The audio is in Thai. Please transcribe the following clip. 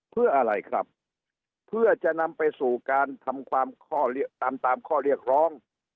เพื่ออะไรครับเพื่อจะนำไปสู่การทำความข้อตามตามข้อเรียกร้อง